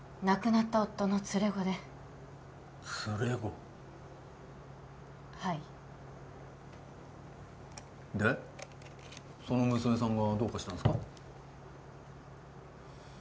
亡くなった夫の連れ子で連れ子はいでその娘さんがどうかしたんすか？